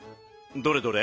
どれどれ？